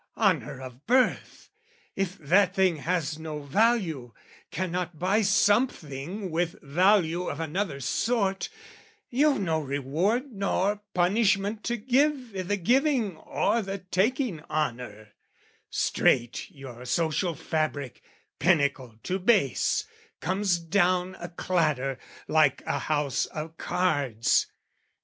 Honour of birth, If that thing has no value, cannot buy Something with value of another sort, You've no reward nor punishment to give I' the giving or the taking honour; straight Your social fabric, pinnacle to base, Comes down a clatter like a house of cards.